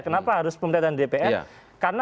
kenapa harus pemerintah dan dpr karena